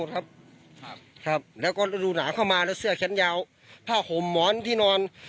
ครับครับแล้วก็ฤดูหนาวเข้ามาแล้วเสื้อชั้นยาวผ้าห่มหมอนที่นอน